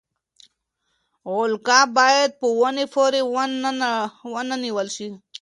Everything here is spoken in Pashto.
غولکه باید په ونې پورې ونه نیول شي.